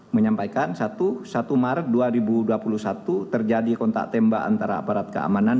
menyampaikan satu maret dua ribu dua puluh satu terjadi kontak tembak antara aparat keamanan